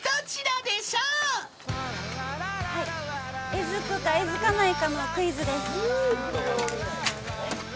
えずくか、えずかないかのクイズです。